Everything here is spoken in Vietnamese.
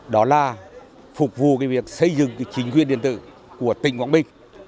đó là phục vụ việc xây dựng chính quyền điện tử của tỉnh quảng bình